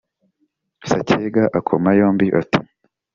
Sacyega akoma yombi, ati